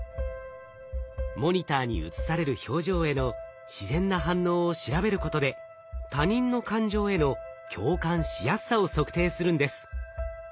モニターに映される表情への自然な反応を調べることで他人の感情への共感しやすさを測定するんです。